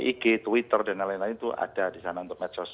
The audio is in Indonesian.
ig twitter dan lain lain itu ada di sana untuk medsos